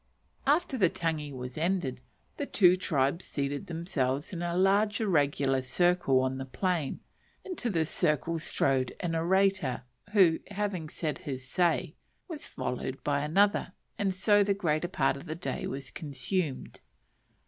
After the tangi was ended, the two tribes seated themselves in a large irregular circle on the plain; into this circle strode an orator, who, having said his say, was followed by another, and so the greater part of the day was consumed.